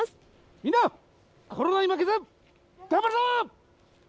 みんな、コロナに負けず頑張るぞ。